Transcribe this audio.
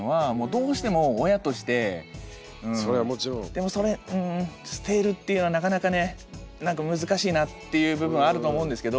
でもそれうん捨てるっていうのはなかなかねなんか難しいなっていう部分はあると思うんですけど。